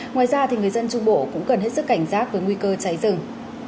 ngoài ra người dân trung bộ cũng cần hết sức cảnh giác với nguy cơ cháy rừng